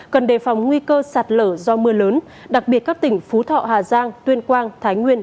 cần đề phòng nguy cơ sạt lở do mưa lớn đặc biệt các tỉnh phú thọ hà giang tuyên quang thái nguyên